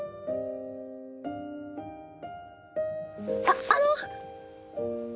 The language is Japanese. あっあの！